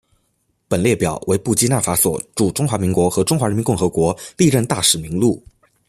本列表为布基纳法索驻中华民国和中华人民共和国历任大使名录。